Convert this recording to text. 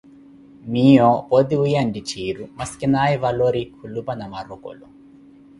Miiyo pooti wiiya nttitthiru masu kinawe valori- khulupa Namorokolo.